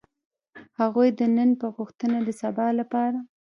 هغوی د نن په غوښتنه د سبا لپاره.